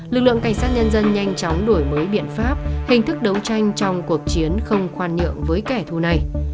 lực lượng cảnh sát nhân dân nhanh chóng đổi mới biện pháp hình thức đấu tranh trong cuộc chiến không khoan nhượng với kẻ thù này